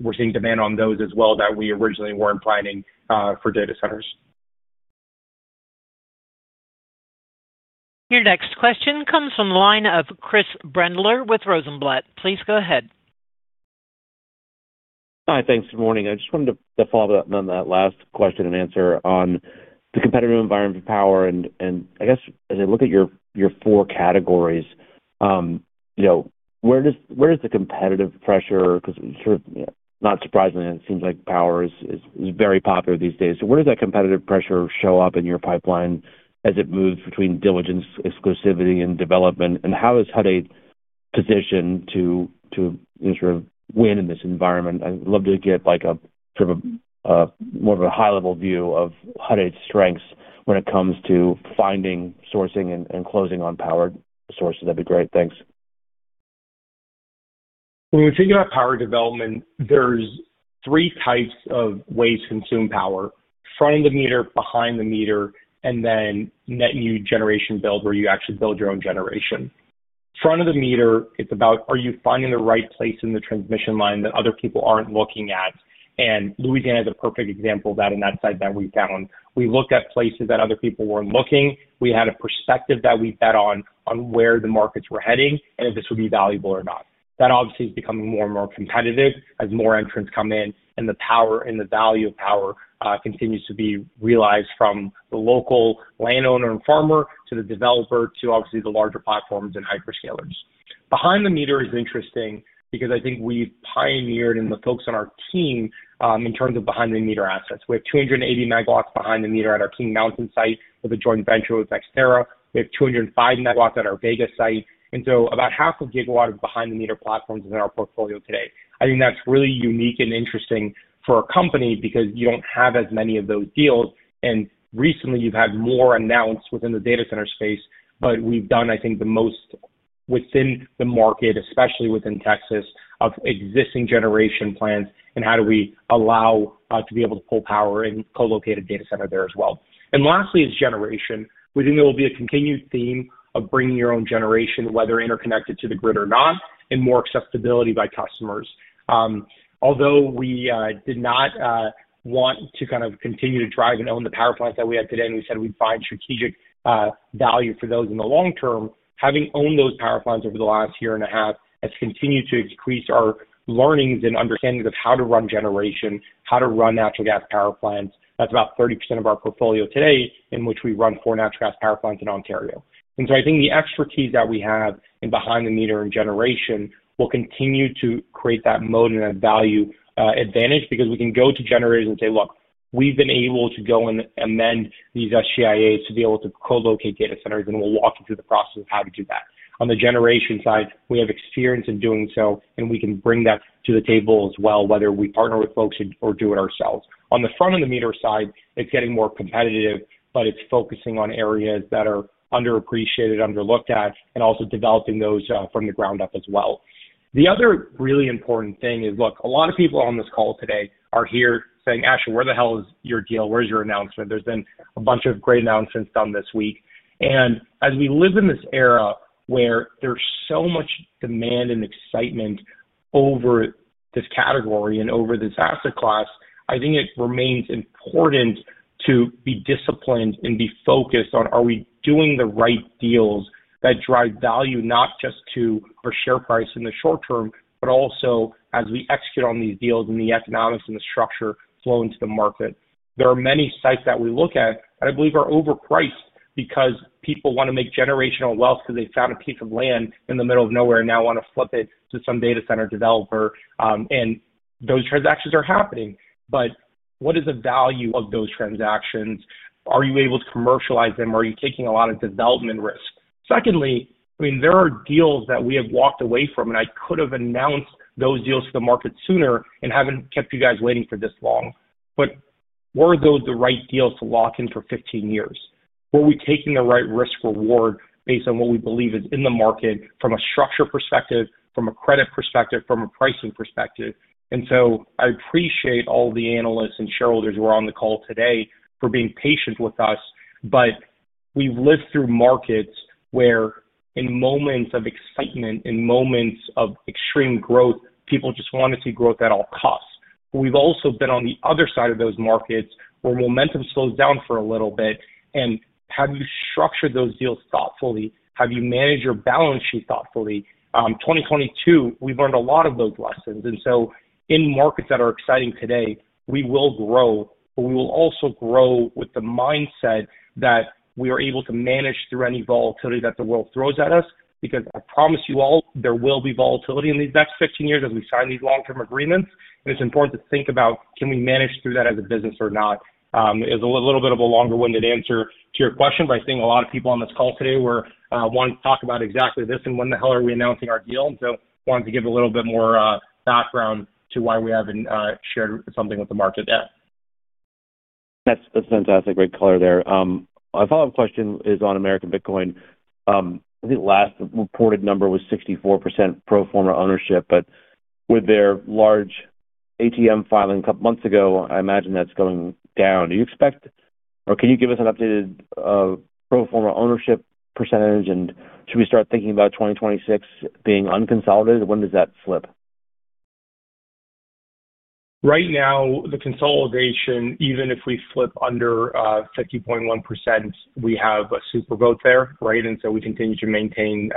we're seeing demand on those as well that we originally weren't planning for data centers. Your next question comes from the line of Chris Brendler with Rosenblatt. Please go ahead. Hi, thanks. Good morning. I just wanted to follow up on that last question and answer on the competitive environment for power. And I guess as I look at your four categories. Where does the competitive pressure, because sort of not surprisingly, it seems like power is very popular these days, where does that competitive pressure show up in your pipeline as it moves between diligence, exclusivity, and development? And how is Hut 8 positioned to sort of win in this environment? I'd love to get sort of more of a high-level view of Hut 8's strengths when it comes to finding, sourcing, and closing on power sources. That'd be great. Thanks. When we think about power development, there's three types of ways to consume power: front-of-the-meter, behind-the-meter, and then net new generation build where you actually build your own generation. Front-of-the-meter, it's about are you finding the right place in the transmission line that other people aren't looking at? And Louisiana is a perfect example of that in that site that we found. We looked at places that other people weren't looking. We had a perspective that we bet on where the markets were heading and if this would be valuable or not. That obviously is becoming more and more competitive as more entrants come in and the power and the value of power continues to be realized from the local landowner and farmer to the developer to obviously the larger platforms and hyperscalers. Behind-the-meter is interesting because I think we've pioneered in the folks on our team in terms of behind-the-meter assets. We have 280 MW behind-the-meter at our King Mountain site with a joint venture with XTERRA. We have 205 MW at our Vega site. And so about half a gigawatt of behind-the-meter platforms is in our portfolio today. I think that's really unique and interesting for a company because you don't have as many of those deals. And recently you've had more announced within the data center space, but we've done, I think, the most. Within the market, especially within Texas, of existing generation plans and how do we allow to be able to pull power in colocated data center there as well. And lastly is generation. We think there will be a continued theme of bringing your own generation, whether interconnected to the grid or not, and more accessibility by customers. Although we did not want to kind of continue to drive and own the power plants that we have today, and we said we'd find strategic value for those in the long term, having owned those power plants over the last year and a half has continued to increase our learnings and understandings of how to run generation, how to run natural gas power plants. That's about 30% of our portfolio today in which we run four natural gas power plants in Ontario. And so I think the expertise that we have in behind-the-meter and generation will continue to create that moat and that value advantage because we can go to generators and say, "Look, we've been able to go and amend these SGIAs to be able to colocate data centers, and we'll walk you through the process of how to do that." On the generation side, we have experience in doing so, and we can bring that to the table as well, whether we partner with folks or do it ourselves. On the front-of-the-meter side, it's getting more competitive, but it's focusing on areas that are underappreciated, underlooked at, and also developing those from the ground up as well. The other really important thing is, look, a lot of people on this call today are here saying, "Asha, where the hell is your deal? Where's your announcement?" There's been a bunch of great announcements done this week. And as we live in this era where there's so much demand and excitement over this category and over this asset class, I think it remains important to be disciplined and be focused on, are we doing the right deals that drive value not just to our share price in the short term, but also as we execute on these deals and the economics and the structure flow into the market? There are many sites that we look at that I believe are overpriced because people want to make generational wealth because they found a piece of land in the middle of nowhere and now want to flip it to some data center developer. And those transactions are happening, but what is the value of those transactions? Are you able to commercialize them? Are you taking a lot of development risk? Secondly, I mean, there are deals that we have walked away from, and I could have announced those deals to the market sooner and haven't kept you guys waiting for this long. But were those the right deals to lock in for 15 years? Were we taking the right risk-reward based on what we believe is in the market from a structure perspective, from a credit perspective, from a pricing perspective? And so I appreciate all the analysts and shareholders who are on the call today for being patient with us, but we've lived through markets where in moments of excitement, in moments of extreme growth, people just want to see growth at all costs. But we've also been on the other side of those markets where momentum slows down for a little bit. And have you structured those deals thoughtfully? Have you managed your balance sheet thoughtfully? 2022, we learned a lot of those lessons. And so in markets that are exciting today, we will grow, but we will also grow with the mindset that we are able to manage through any volatility that the world throws at us because I promise you all there will be volatility in these next 15 years as we sign these long-term agreements. And it's important to think about, can we manage through that as a business or not? It's a little bit of a longer-winded answer to your question, but I think a lot of people on this call today want to talk about exactly this and when the hell are we announcing our deal. And so I wanted to give a little bit more background to why we haven't shared something with the market yet. That's fantastic. Great color there. My follow-up question is on American Bitcoin. I think the last reported number was 64% pro forma ownership, but with their large ATM filing a couple of months ago, I imagine that's going down. Do you expect, or can you give us an updated pro forma ownership percentage, and should we start thinking about 2026 being unconsolidated? When does that flip? Right now, the consolidation, even if we flip under 50.1%, we have a super vote there, right? And so we continue to maintain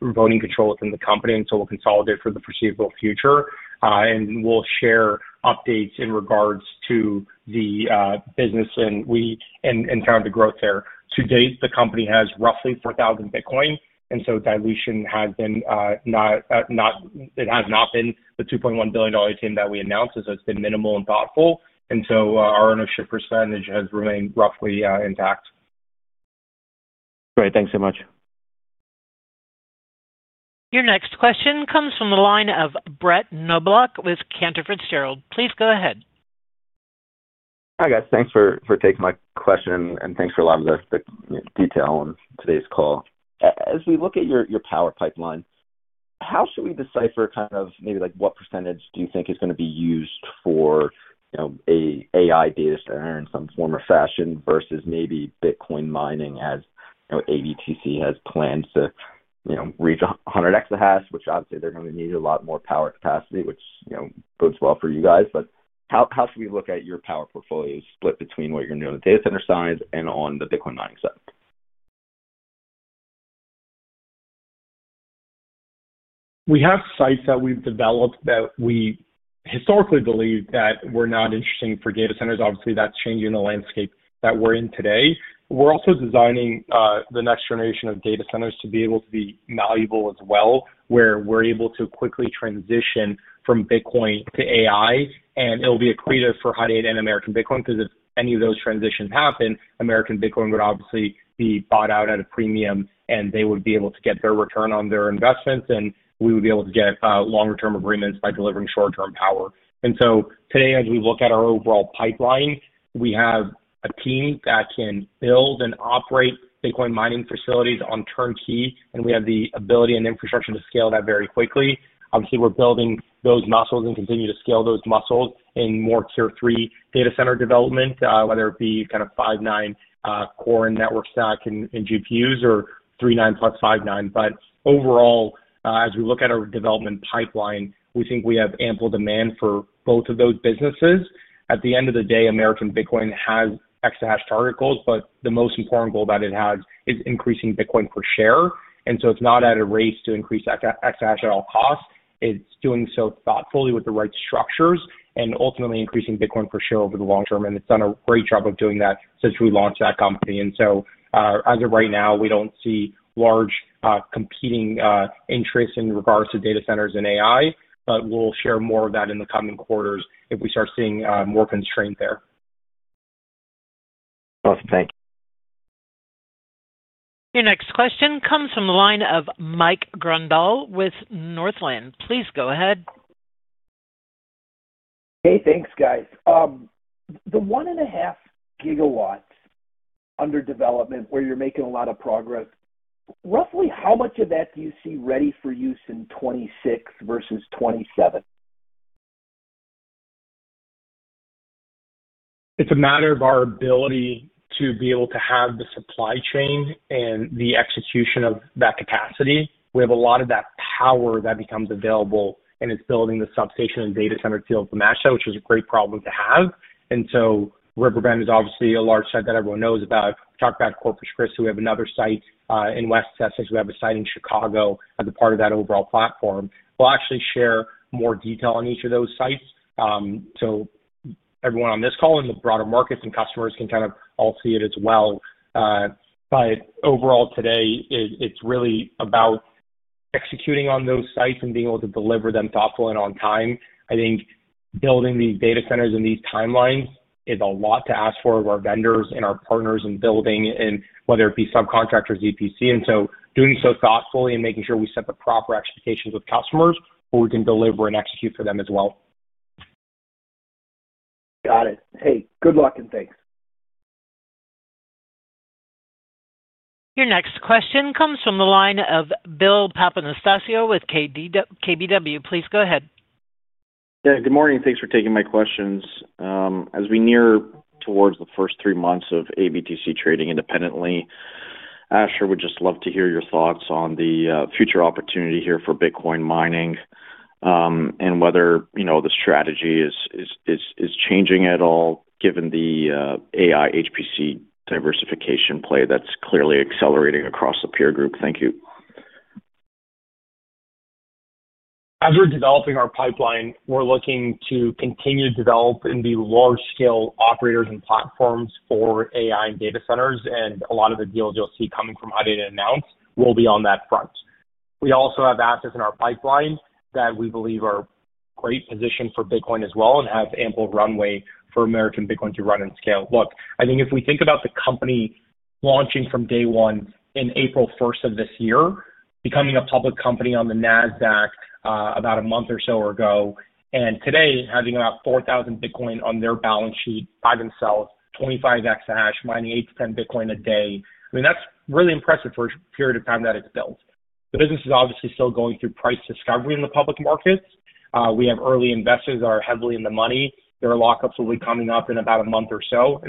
voting control within the company, and so we'll consolidate for the foreseeable future. And we'll share updates in regards to the business and on the growth there. To date, the company has roughly 4,000 Bitcoin, and so dilution has been. It has not been the $2.1 billion deal that we announced, as it's been minimal and thoughtful. And so our ownership percentage has remained roughly intact. Great. Thanks so much. Your next question comes from the line of Brett Knoblauch with Cantor Fitzgerald. Please go ahead. Hi, guys. Thanks for taking my question, and thanks for a lot of the detail on today's call. As we look at your power pipeline, how should we decipher kind of maybe what percentage do you think is going to be used for an AI data center in some form or fashion versus maybe Bitcoin mining as ABTC has planned to reach 100x the hash, which obviously they're going to need a lot more power capacity, which bodes well for you guys. But how should we look at your power portfolios split between what you're doing on the data center side and on the Bitcoin mining side? We have sites that we've developed that we historically believed that were not interesting for data centers. Obviously, that's changing the landscape that we're in today. We're also designing the next generation of data centers to be able to be malleable as well, where we're able to quickly transition from Bitcoin to AI, and it'll be a credo for Hut 8 and American Bitcoin because if any of those transitions happen, American Bitcoin would obviously be bought out at a premium, and they would be able to get their return on their investments, and we would be able to get longer-term agreements by delivering short-term power. And so today, as we look at our overall pipeline, we have a team that can build and operate Bitcoin mining facilities on turnkey, and we have the ability and infrastructure to scale that very quickly. Obviously, we're building those muscles and continue to scale those muscles in more tier-three data center development, whether it be kind of 5.9 core and network stack and GPUs or 3.9 plus 5.9. But overall, as we look at our development pipeline, we think we have ample demand for both of those businesses. At the end of the day, American Bitcoin has exahash target goals, but the most important goal that it has is increasing Bitcoin per share. And so it's not at a race to increase exahash at all costs. It's doing so thoughtfully with the right structures and ultimately increasing Bitcoin per share over the long term. And it's done a great job of doing that since we launched that company. And so as of right now, we don't see large competing interests in regards to data centers and AI, but we'll share more of that in the coming quarters if we start seeing more constraints there. Awesome. Thank you. Your next question comes from the line of Mike Grondahl with Northland. Please go ahead. Hey, thanks, guys. The 1.5 GW under development where you're making a lot of progress. Roughly how much of that do you see ready for use in 2026 versus 2027? It's a matter of our ability to be able to have the supply chain and the execution of that capacity. We have a lot of that power that becomes available, and it's building the substation and data center filled with ASICs, which is a great problem to have. And so River Bend is obviously a large site that everyone knows about. Talk about Corpus Christi, we have another site in West Texas. We have a site in Chicago as a part of that overall platform. We'll actually share more detail on each of those sites. So everyone on this call and the broader markets and customers can kind of all see it as well. But overall today, it's really about executing on those sites and being able to deliver them thoughtfully and on time. I think building these data centers and these timelines is a lot to ask for of our vendors and our partners and building, and whether it be subcontractors, EPC, and so doing so thoughtfully and making sure we set the proper expectations with customers where we can deliver and execute for them as well. Got it. Hey, good luck and thanks. Your next question comes from the line of Bill Papanastasiou with KBW. Please go ahead. Yeah. Good morning. Thanks for taking my questions. As we near towards the first three months of ABTC trading independently, Asher, would just love to hear your thoughts on the future opportunity here for Bitcoin mining. And whether the strategy is changing at all given the AI HPC diversification play that's clearly accelerating across the peer group. Thank you. As we're developing our pipeline, we're looking to continue to develop and be large-scale operators and platforms for AI and data centers. A lot of the deals you'll see coming from Hut 8 and announced will be on that front. We also have assets in our pipeline that we believe are great positioned for Bitcoin as well and have ample runway for American Bitcoin to run and scale. Look, I think if we think about the company launching from day one in April 1st of this year, becoming a public company on the NASDAQ about a month or so ago, and today having about 4,000 Bitcoin on their balance sheet by themselves, 25x the hash, mining 8-10 Bitcoin a day, I mean, that's really impressive for a period of time that it's built. The business is obviously still going through price discovery in the public markets. We have early investors that are heavily in the money. Their lockups will be coming up in about a month or so. I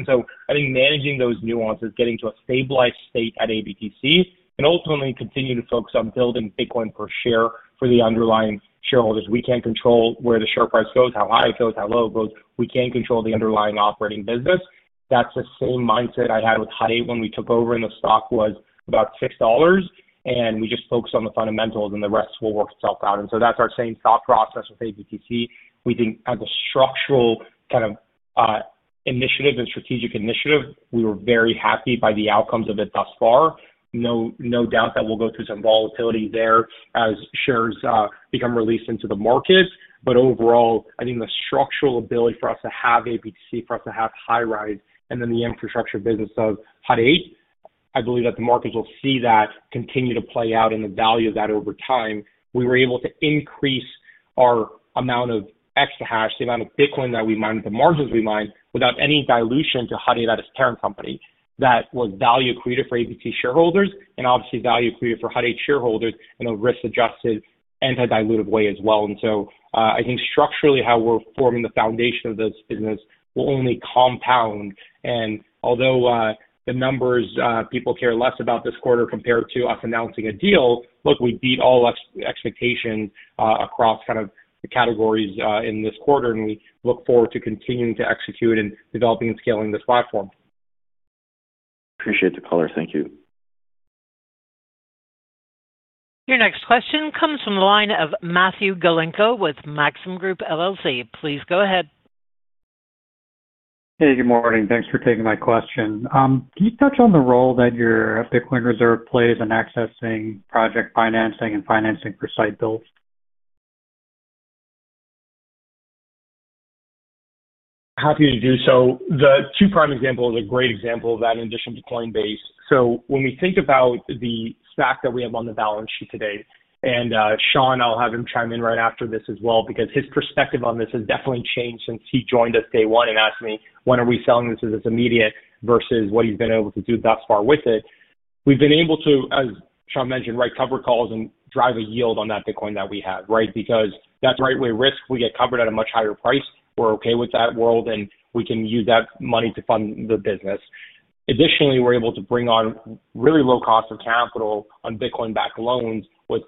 think managing those nuances, getting to a stabilized state at ABTC, and ultimately continue to focus on building Bitcoin per share for the underlying shareholders. We can't control where the share price goes, how high it goes, how low it goes. We can't control the underlying operating business. That's the same mindset I had with Hut 8 when we took over, and the stock was about $6, and we just focused on the fundamentals, and the rest will work itself out. That's our same thought process with ABTC. We think as a structural kind of initiative and strategic initiative, we were very happy by the outcomes of it thus far. No doubt that we'll go through some volatility there as shares become released into the market. Overall, I think the structural ability for us to have ABTC, for us to have Hirise, and then the infrastructure business of Hut 8, I believe that the markets will see that continue to play out and the value of that over time. We were able to increase our amount of exahash, the amount of Bitcoin that we mined, the margins we mined, without any dilution to Hut 8 as a parent company. That was value created for ABTC shareholders and obviously value created for Hut 8 shareholders in a risk-adjusted, anti-dilutive way as well. I think structurally how we're forming the foundation of this business will only compound. Although the numbers, people care less about this quarter compared to us announcing a deal, look, we beat all expectations across kind of the categories in this quarter, and we look forward to continuing to execute and developing and scaling this platform. Appreciate the color. Thank you. Your next question comes from the line of Matthew Galinko with Maxim Group LLC. Please go ahead. Hey, good morning. Thanks for taking my question. Can you touch on the role that your Bitcoin reserve plays in accessing project financing and financing for site builds? Happy to do so. The two-pronged example is a great example of that in addition to Coinbase. So when we think about the stack that we have on the balance sheet today, and Sean, I'll have him chime in right after this as well because his perspective on this has definitely changed since he joined us day one and asked me, "When are we selling this? Is this immediate?" versus what he's been able to do thus far with it. We've been able to, as Sean mentioned, write covered calls and drive a yield on that Bitcoin that we have, right? Because that's right-way risk. We get covered at a much higher price. We're okay with that world, and we can use that money to fund the business. Additionally, we're able to bring on really low cost of capital on Bitcoin-backed loans with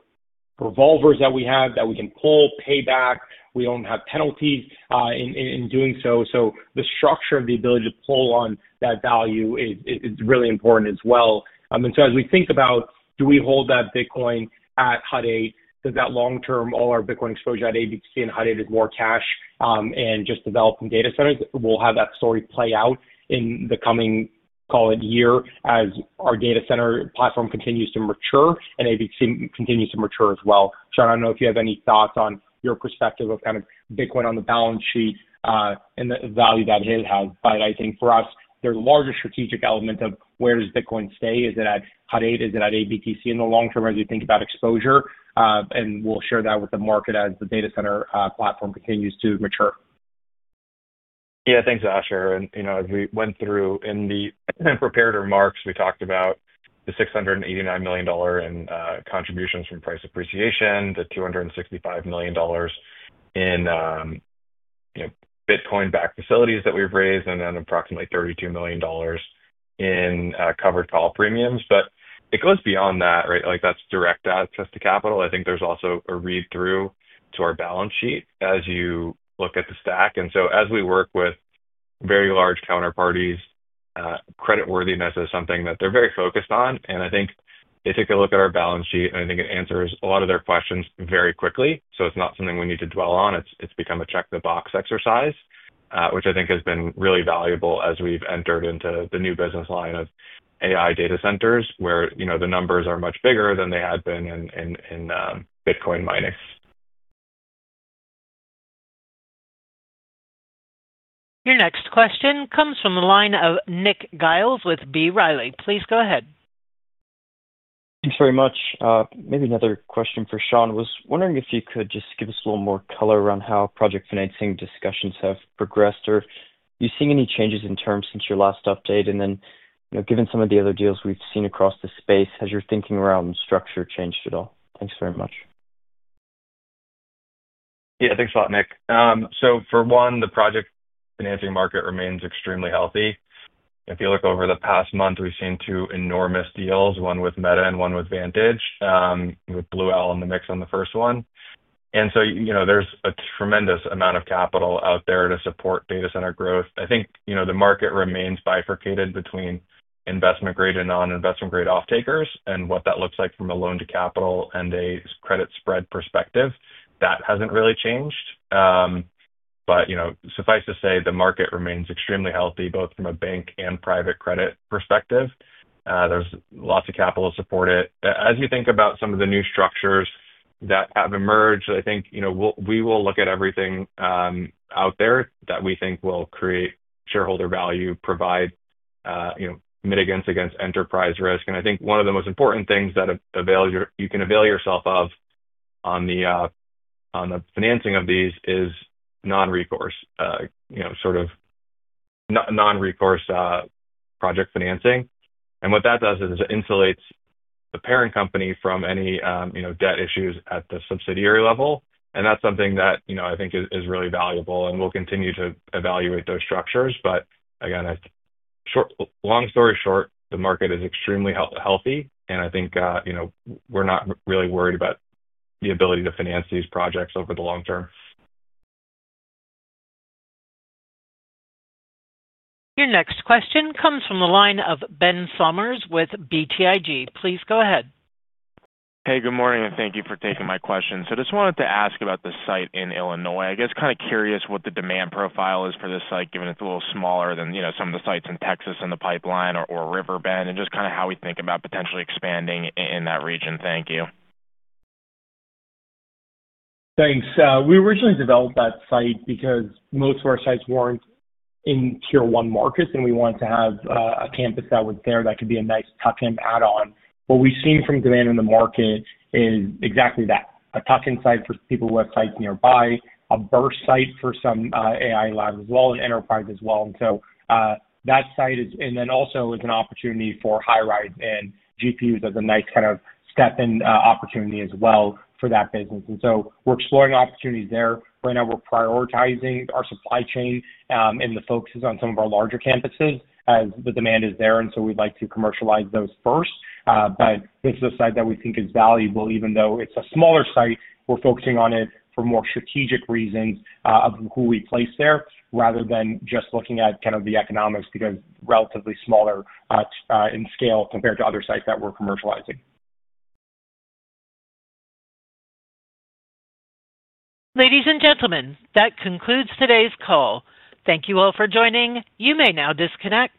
revolvers that we have that we can pull, pay back. We don't have penalties in doing so. So the structure of the ability to pull on that value is really important as well. And so as we think about, do we hold that Bitcoin at Hut 8? Does that long-term, all our Bitcoin exposure at ABTC and Hut 8 is more cash and just developing data centers? We'll have that story play out in the coming, call it, year as our data center platform continues to mature and ABTC continues to mature as well. Sean, I don't know if you have any thoughts on your perspective of kind of Bitcoin on the balance sheet and the value that it has. But I think for us, there's a larger strategic element of where does Bitcoin stay? Is it at Hut 8? Is it at ABTC in the long term as we think about exposure? And we'll share that with the market as the data center platform continues to mature. Yeah. Thanks, Asher. And as we went through in the prepared remarks, we talked about the $689 million in contributions from price appreciation, the $265 million in Bitcoin-backed facilities that we've raised, and then approximately $32 million in covered call premiums. But it goes beyond that, right? That's direct access to capital. I think there's also a read-through to our balance sheet as you look at the stack. And so as we work with very large counterparties, creditworthiness is something that they're very focused on. And I think they take a look at our balance sheet, and I think it answers a lot of their questions very quickly. So it's not something we need to dwell on. It's become a check-the-box exercise, which I think has been really valuable as we've entered into the new business line of AI data centers where the numbers are much bigger than they had been in Bitcoin mining. Your next question comes from the line of Nick Giles with B. Riley. Please go ahead. Thanks very much. Maybe another question for Sean. I was wondering if you could just give us a little more color around how project financing discussions have progressed. Are you seeing any changes in terms since your last update? And then given some of the other deals we've seen across the space, has your thinking around structure changed at all? Thanks very much. Yeah. Thanks a lot, Nick. So for one, the project financing market remains extremely healthy. If you look over the past month, we've seen two enormous deals, one with Meta and one with Vantage, with Blue Owl in the mix on the first one. And so there's a tremendous amount of capital out there to support data center growth. I think the market remains bifurcated between investment-grade and non-investment-grade off-takers and what that looks like from a loan-to-capital and a credit spread perspective. That hasn't really changed. But suffice to say, the market remains extremely healthy both from a bank and private credit perspective. There's lots of capital to support it. As you think about some of the new structures that have emerged, I think we will look at everything out there that we think will create shareholder value, provide mitigants against enterprise risk. And I think one of the most important things that you can avail yourself of on the financing of these is non-recourse sort of non-recourse project financing. And what that does is it insulates the parent company from any debt issues at the subsidiary level. And that's something that I think is really valuable, and we'll continue to evaluate those structures. But again, long story short, the market is extremely healthy, and I think we're not really worried about the ability to finance these projects over the long term. Your next question comes from the line of Ben Sommers with BTIG. Please go ahead. Hey, good morning, and thank you for taking my question. So I just wanted to ask about the site in Illinois. I guess kind of curious what the demand profile is for this site, given it's a little smaller than some of the sites in Texas in the pipeline or River Bend, and just kind of how we think about potentially expanding in that region. Thank you. Thanks. We originally developed that site because most of our sites weren't in tier one markets, and we wanted to have a campus that was there that could be a nice tuck-in add-on. What we've seen from demand in the market is exactly that: a tuck-in site for people who have sites nearby, a burst site for some AI labs as well, and enterprise as well, and so that site is, and then also is an opportunity for Hirise and GPUs as a nice kind of step-in opportunity as well for that business, and so we're exploring opportunities there. Right now, we're prioritizing our supply chain and the focus on some of our larger campuses as the demand is there, and so we'd like to commercialize those first, but this is a site that we think is valuable. Even though it's a smaller site, we're focusing on it for more strategic reasons of who we place there rather than just looking at kind of the economics because it's relatively smaller in scale compared to other sites that we're commercializing. Ladies and gentlemen, that concludes today's call. Thank you all for joining. You may now disconnect.